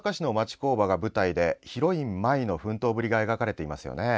工場が舞台でヒロイン舞の奮闘ぶりが描かれていますね。